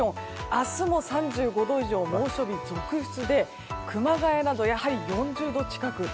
明日も３５度以上の猛暑日が続出で熊谷などはやはり４０度近く。